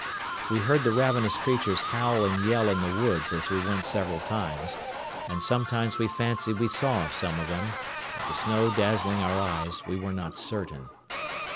We heard the ravenous creatures howl and yell in the woods as we went several times, and sometimes we fancied we saw some of them; but the snow dazzling our eyes, we were not certain.